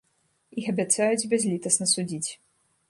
Іх абяцаюць бязлітасна судзіць.